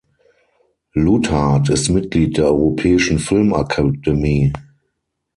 Luthardt ist Mitglied der Europäischen Filmakademie.